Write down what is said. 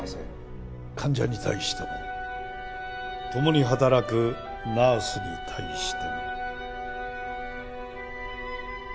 患者に対してもともに働くナースに対しても。